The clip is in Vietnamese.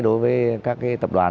đối với các tập đoàn